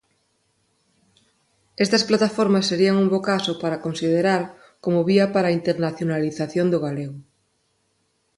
Estas plataformas serían un bo caso para considerar como vía para internacionalización do galego.